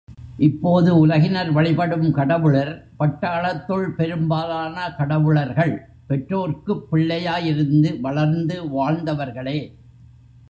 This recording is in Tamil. இப்போது உலகினர் வழிபடும் கடவுளர் பட்டாளத்துள் பெரும்பாலான கடவுளர்கள் பெற்றோர்க்குப் பிள்ளையாயிருந்து வளர்ந்து வாழ்ந்தவர்களே.